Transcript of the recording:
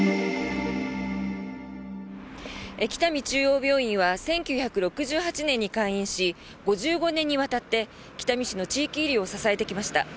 北見中央病院は１９６８年に開院し５５年にわたって北見市の地域医療を支えてきました。